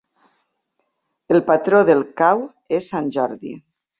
El patró del cau és Sant Jordi.